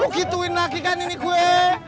mau gituin lagi kan ini gue